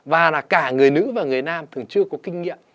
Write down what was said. và là cả người nữ và người nam thường chưa có kinh nghiệm